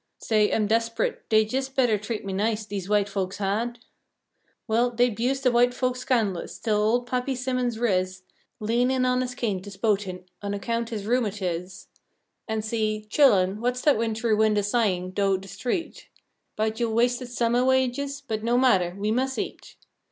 Say, I'm desp'ret! Dey jes better treat me nice, dese white folks had!" Well, dey 'bused de white folks scan'lous, till old Pappy Simmons ris, Leanin' on his cane to s'pote him, on account his rheumatis', An' s' 'e: "Chilun, whut's dat wintry wind a sighin' th'ough de street 'Bout yo' wasted summeh wages? But, no matter, we mus' eat.